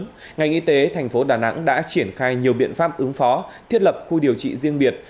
bệnh viện y tế tp đà nẵng đã triển khai nhiều biện pháp ứng phó thiết lập khu điều trị riêng biệt